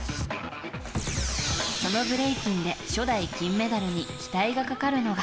そのブレイキンで初代金メダルに期待がかかるのが。